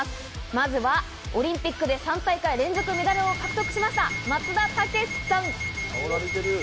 まずはオリンピックで３大会連続メダルを獲得しました松田丈志さん。